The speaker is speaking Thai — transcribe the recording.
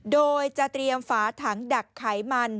โดยจะเตรียมฝาถังดักไขมัน